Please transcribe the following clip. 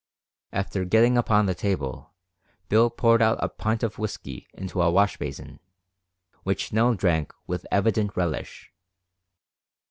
After getting upon the table, Bill poured out a pint of whisky into a wash basin, which Nell drank with evident relish.